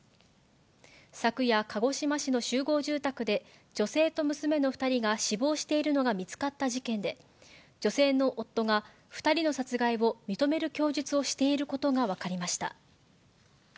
昨夜、鹿児島市の集合住宅で、女性と娘の２人が死亡しているのが見つかった事件で、女性の夫が２人の殺害を認める供述をしていることが分かりました。